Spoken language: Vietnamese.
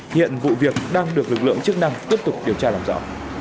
hiện vụ việc đang được lực lượng chức năng tiếp tục điều tra làm rõ